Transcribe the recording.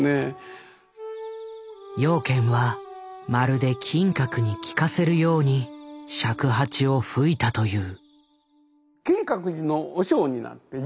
養賢はまるで金閣に聞かせるように尺八を吹いたという。